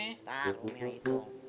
ntar om mi hitung